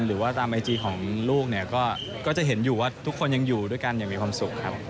หรือว่าตามไอจีของลูกเนี่ยก็จะเห็นอยู่ว่าทุกคนยังอยู่ด้วยกันอย่างมีความสุขครับ